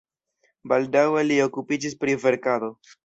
Baldaŭe li okupiĝis pri verkado.